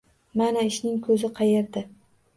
Mana, ishning ko‘zi qayerda?!